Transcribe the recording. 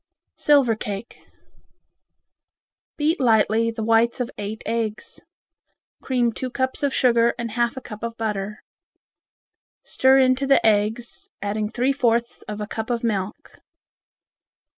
Silver Cake Beat lightly the whites of eight eggs. Cream two cups of sugar and half a cup of butter. Stir into the eggs, adding three fourths of a cup of milk.